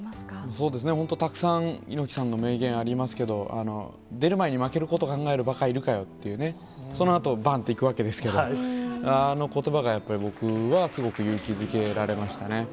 そうですね、本当たくさん猪木さんの名言ありますけど、出る前に負けること考えるばかいるかよっていうね、そのあと、ばん！っていくわけですけど、あのことばが、やっぱり僕は、すごく勇気づけられましたね。